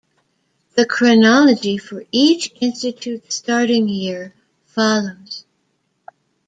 The chronology for each institute's starting year follows.